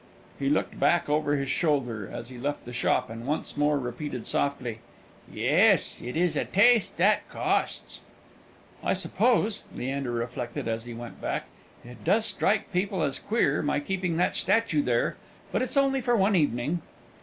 He looked back over his shoulder as he left the shop, and once more repeated softly, "Yes, it is a taste that costs." "I suppose," Leander reflected as he went back, "it does strike people as queer, my keeping that statue there; but it's only for one evening."